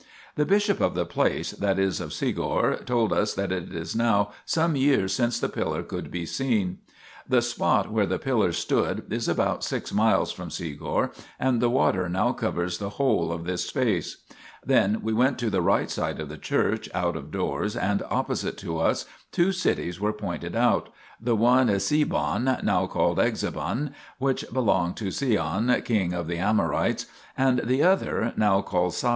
The bishop of the place, that is of Segor, told us that it is now some years since the pillar could be seen. The spot where the pillar stood is about six miles from Segor, and the water now covers the whole of this space. Then we went to the right side of the church, out of doors and opposite to us two cities were pointed out, the one Esebon, 3 now called Exebon, which belonged to Seon, king of the Amorites, and the other, now called 1 LXX 2^ ya>/>, Eng.